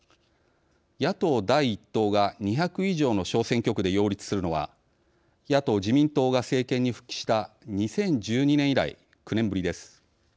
野党第１党が２００以上の小選挙区で擁立するのは野党自民党が政権に復帰した２０１２年以来９年ぶりです。